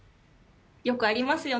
よくありますよね。